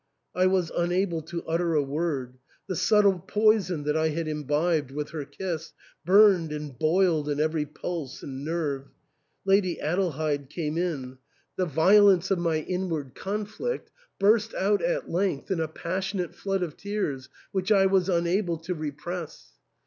I was unable to utter a word ; the subtle poison that I had imbibed with her kiss burned and boiled in every pulse and nerve. Lady Adelheid came in. The violence of my ' See note, p. 40, 258 THE ENTAIL. inward conflict burst out at length in a passionate flood of tearSy which I was unable to repress.